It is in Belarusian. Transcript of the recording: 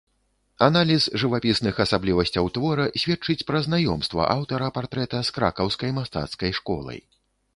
Аналіз жывапісных асаблівасцяў твора сведчыць пра знаёмства аўтара партрэта з кракаўскай мастацкай школай.